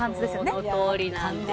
そのとおりなんです。